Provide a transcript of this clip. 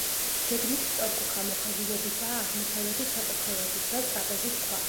გეგმით სწორკუთხა მოხაზულობისაა, აღმოსავლეთით საკურთხეველში დგას ტრაპეზის ქვა.